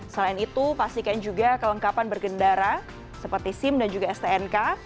selain itu pastikan juga kelengkapan bergendara seperti sim dan juga stnk